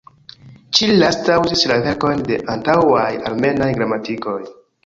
Ĉi-lasta uzis la verkojn de antaŭaj armenaj gramatikoj.